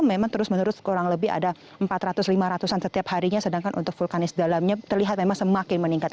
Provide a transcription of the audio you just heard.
memang terus menerus kurang lebih ada empat ratus lima ratus an setiap harinya sedangkan untuk vulkanis dalamnya terlihat memang semakin meningkat